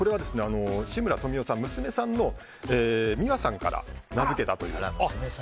志村富男さん娘さんの美和さんから名付けたということで。